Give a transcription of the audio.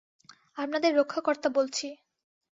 আপনাদের রক্ষাকর্তা বলছি।